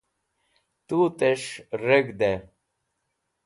tu'tesh reg̃hd'ey